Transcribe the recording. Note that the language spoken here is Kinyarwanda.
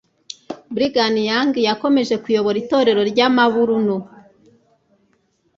brigham young yakomeje kuyobora itorero ry'abamorumo